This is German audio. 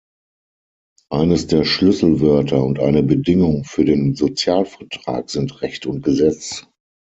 Eines der Schlüsselwörter und eine Bedingung für den Sozialvertrag sind Recht und Gesetz.